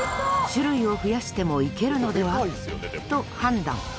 種類を増やしてもいけるのでは？と判断。